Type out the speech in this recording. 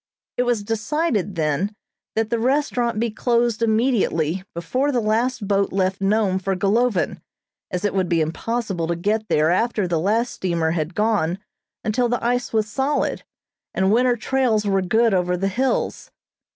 It was decided, then, that the restaurant be closed immediately before the last boat left Nome for Golovin, as it would be impossible to get there after the last steamer had gone until the ice was solid, and winter trails were good over the hills.